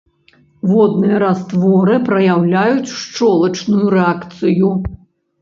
Водныя растворы праяўляюць шчолачную рэакцыю.